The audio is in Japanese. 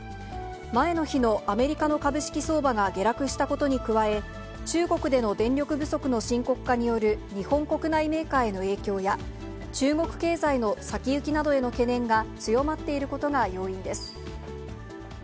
前の日のアメリカの株式相場が下落したことに加え、中国での電力不足の深刻化による日本国内メーカーへの影響や、中国経済の先行きなどへの懸念が強まっていることが要因です。